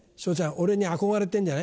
俺に憧れてんじゃない？